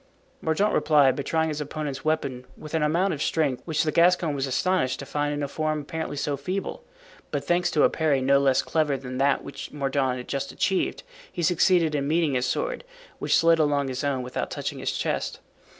Mordaunt replied by trying his opponent's weapon with an amount of strength which the Gascon was astonished to find in a form apparently so feeble; but thanks to a parry no less clever than that which Mordaunt had just achieved, he succeeded in meeting his sword, which slid along his own without touching his chest.